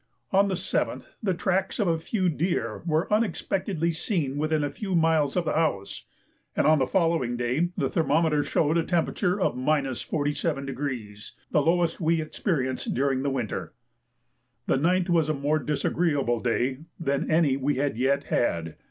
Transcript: On the 7th the tracks of a few deer were unexpectedly seen within a few miles of the house; and on the following day the thermometer showed a temperature of 47°, the lowest we experienced during the winter. The 9th was a more disagreeable day than any we had yet had.